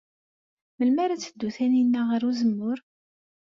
Melmi ara teddu Taninna ɣer uzemmur?